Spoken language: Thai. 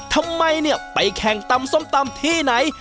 ทำไมเนี่ยไปแข่งตำส้มตำที่ไหน